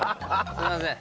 すみません。